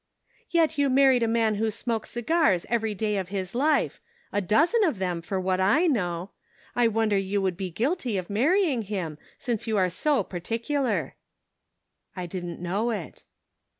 " Yet you married a man who smokes cigars every day of his life; a dozen of them, for what I know. I wonder you would be guilty of marrying him since you are so par ticular." "I didn't know it."